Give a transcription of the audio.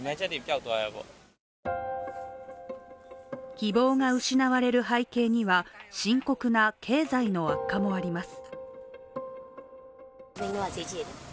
希望が失われる背景には深刻な経済の悪化もあります。